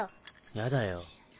やだよ。